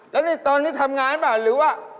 แล้วนี่ตอนนี้ทำงานไหมหรือว่า